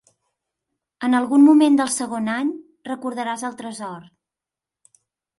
En algun moment del segon any, recordaràs el tresor.